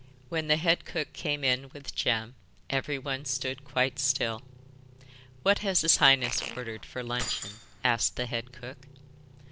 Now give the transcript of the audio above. When the head cook came in with Jem everyone stood quite still. 'What has his highness ordered for luncheon?' asked the head cook.